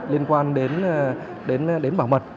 liên quan đến bảo mật